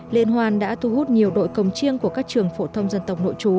liên hoàn đã thu hút nhiều đội cồng chiêng của các trường phổ thông dân tộc nội chú